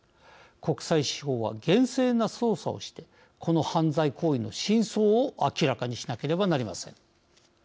国際司法は厳正な捜査をしてこの犯罪行為の真相を明らかにしなければなりません。